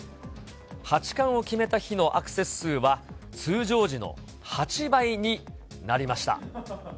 八冠を決めた日のアクセス数は通常時の８倍になりました。